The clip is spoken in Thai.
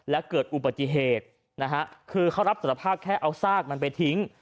และเกิดอุบัติเหตุนะฮะคือเขารับสารภาพแค่เอาซากมันไปทิ้ง